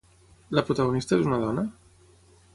La protagonista és una dona?